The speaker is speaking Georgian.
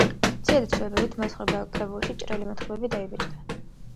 მცირედი ცვლილებებით, მოთხრობა კრებულში „ჭრელი მოთხრობები“ დაიბეჭდა.